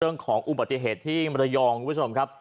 เรื่องของอุบัติเหตุที่มรยองคุณผู้ชมครับ